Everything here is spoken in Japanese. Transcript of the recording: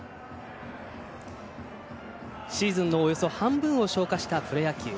シーズンのおよそ半分を消化したプロ野球。